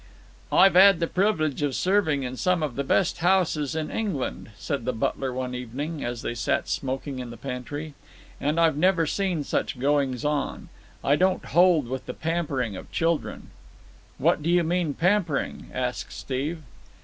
"I've 'ad the privilege of serving in some of the best houses in England," said the butler one evening, as they sat smoking in the pantry, "and I've never seen such goings on. I don't hold with the pampering of children." "What do you mean, pampering?" asked Steve.